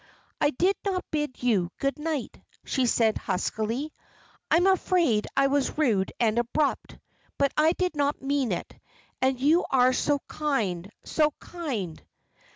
"I did not bid you good night," she said, huskily. "I am afraid I was rude and abrupt; but I did not mean it. And you are so kind, so kind."